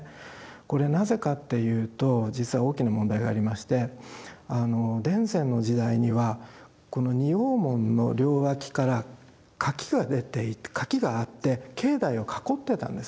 これなぜかっていうと実は大きな問題がありましてあの田善の時代にはこの仁王門の両脇から垣が出ていて垣があって境内を囲ってたんです。